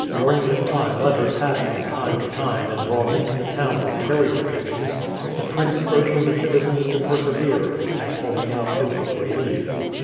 During this time letters had from time to time been brought into the town by carrier pigeons, the prince urging the citizens to persevere, and holding out hope of relief.